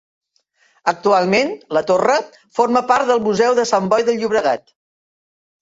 Actualment, la torre forma part del Museu de Sant Boi de Llobregat.